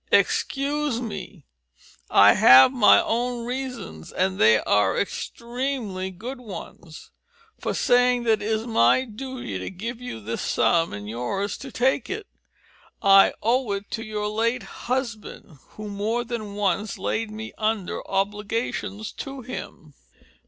Excuse me, I have my own reasons, and they are extremely good ones, for saying that it is my duty to give you this sum and yours to take it. I owe it to your late husband, who more than once laid me under obligations to him."